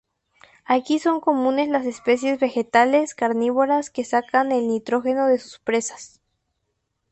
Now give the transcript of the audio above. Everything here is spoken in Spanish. Aquí son comunes las especies vegetales carnívoras que sacan el nitrógeno de sus presas.